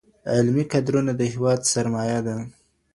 علمي کدرونه د هیواد سرمایه ده.